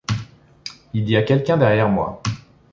Il y a quelqu’un derrière moi.